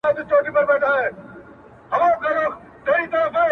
• نه بلبل سوای ځان پخپله مړولای -